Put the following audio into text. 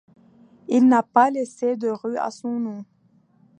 Il n'a pas laissé de rue à son nom.